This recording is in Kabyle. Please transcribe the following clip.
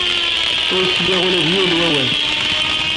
Ur sliɣ ula d yiwen n wawal.